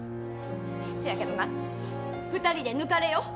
せやけどな２人で抜かれよ。